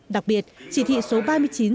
đặc biệt chỉ thị số ba mươi chín ct